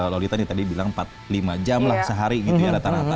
lolita ini tadi bilang empat lima jam lah sehari gitu ya rata rata